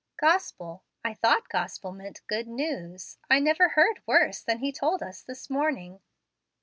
"Gospel! I thought 'gospel' meant 'good news.' I never heard worse than he told us this morning.